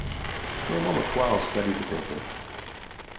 For a moment Quarles studied the paper.